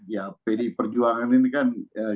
ya pdi perjuangan ini kan